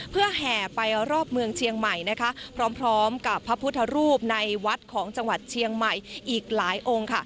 เพื่อแห่ไปรอบเมืองเชียงใหม่พร้อมกับพระพุทธรูปในวัดของจังหวัดเชียงใหม่อีกหลายองค์